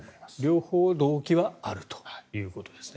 両方動機はあるということですね。